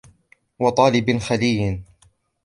وَطَالِبٍ خَلِيٍّ